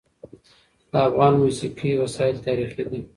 د افغان موسیقي وسایل تاریخي دي.